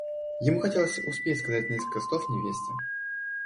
Ему хотелось успеть сказать несколько слов невесте.